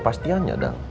kepastian ya dang